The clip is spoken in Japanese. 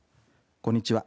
こんにちは。